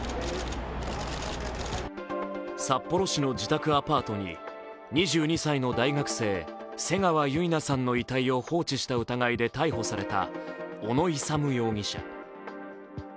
札幌市の自宅アパートに２２歳の大学生、瀬川結菜さんの遺体を放置した疑いで逮捕された小野勇容疑者。